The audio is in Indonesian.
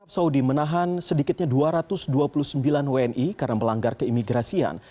saudi menahan sedikitnya dua ratus dua puluh sembilan wni karena melanggar keimigrasian